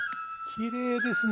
きれいですね。